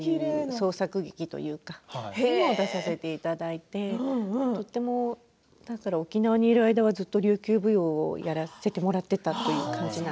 創作劇というかそれに出させていただいてとても沖縄にいる間は、ずっと琉球舞踊をやらせていただいていました。